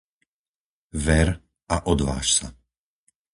Ver a odváž sa!